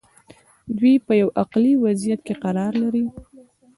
دوی په یوه عقلي وضعیت کې قرار لري.